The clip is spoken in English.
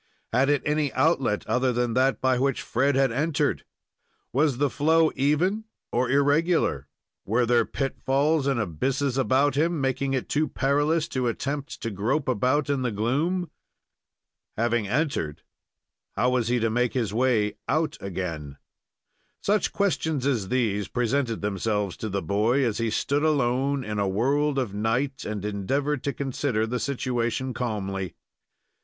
Had it any outlet other than that by which Fred had entered? Was the flow even or irregular? Were there pitfalls and abysses about him, making it too perilous to attempt to grope about in the gloom? Having entered, how was he to make his way out again? Such questions as these presented themselves to the boy, as he stood alone in a world of night, and endeavored to consider the situation calmly.